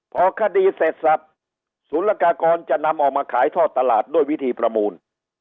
พอคดีเสร็จสับศูนย์ละกากรจะนำออกมาขายทอดตลาดด้วยวิธีประมูล